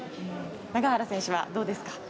永原選手はどうですか？